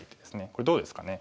これどうですかね。